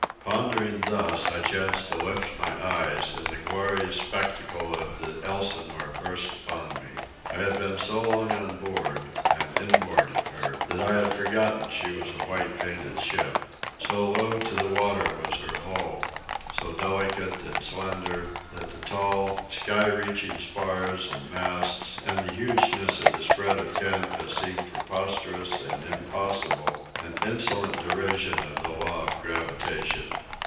Pondering thus, I chanced to lift my eyes, and the glorious spectacle of the Elsinore burst upon me. I had been so long on board, and in board of her, that I had forgotten she was a white painted ship. So low to the water was her hull, so delicate and slender, that the tall, sky reaching spars and masts and the hugeness of the spread of canvas seemed preposterous and impossible, an insolent derision of the law of gravitation.